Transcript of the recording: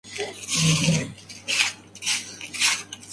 Es el jugador que más partidos disputó con la camiseta del Triestina.